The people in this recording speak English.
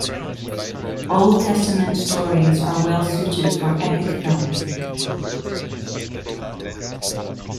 Old Testament stories are well suited for epic films.